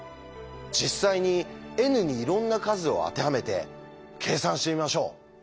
実際にｎにいろんな数を当てはめて計算してみましょう。